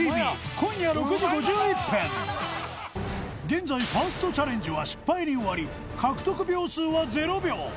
現在ファーストチャレンジは失敗に終わり獲得秒数は０秒